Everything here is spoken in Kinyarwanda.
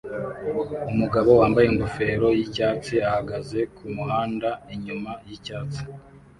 Umugabo wambaye ingofero yicyatsi ahagaze kumuhanda inyuma yicyatsi